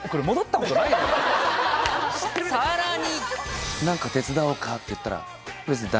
さらに！